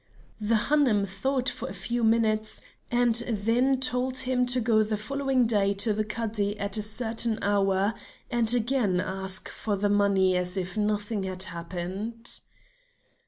The Hanoum thought for a few minutes and then told him to go the following day to the Cadi at a certain hour and again ask for the money as if nothing had happened.